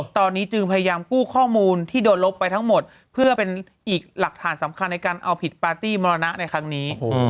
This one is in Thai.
ตอนนี้จึงพยายามกู้ข้อมูลที่โดนลบไปทั้งหมดเพื่อเป็นอีกหลักฐานสำคัญในการเอาผิดปาร์ตี้มรณะในครั้งนี้